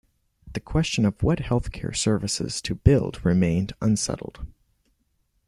The question of what healthcare services to build remained unsettled.